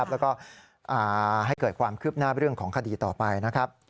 แล้วก็ให้เกิดความคืบหน้าเรื่องของคดีต่อไปนะครับ